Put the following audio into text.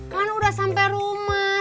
kan udah sampe rumah